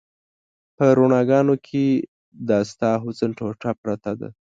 په رڼاګانو کې د ستا حسن ټوټه پرته ده